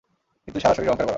কিন্তু সারা শরীর অহংকারে ভরা।